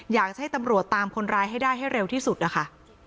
อยากให้ตำรวจตามคนร้ายให้ได้ให้เร็วที่สุดนะคะ